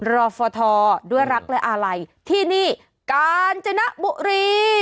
รอฟทด้วยรักและอาลัยที่นี่กาญจนบุรี